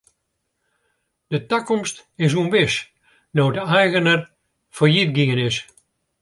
De takomst is ûnwis no't de eigener fallyt gien is.